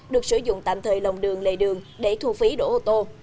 được sử dụng tạm thời lòng đường lề đường để thu phí đổ ô tô